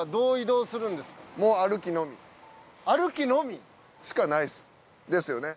歩きのみ！？しかないです。ですよね？